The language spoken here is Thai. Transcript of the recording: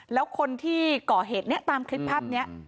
แล้วคนที่ก่อเหตุนี้ตามคลิปภาพนี้